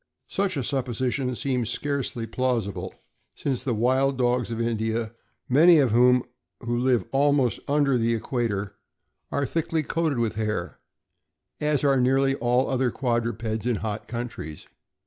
Such a supposition seems scarcely plausible, since the wild dogs of India, many of whom live almost under the equator, are thickly coated with hair, as are nearly all other quadrupeds in hot countries.